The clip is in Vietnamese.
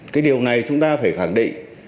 cái điều này chúng ta phải khẳng định